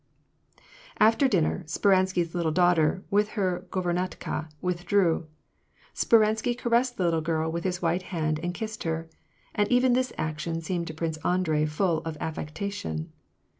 After dinner, Speransky 's little daughter, with her guver nantka, withdrew. Speransky caressed the little girl with his white hand, and kissed her. And even this action seemed to Prince Andrei full of affectation.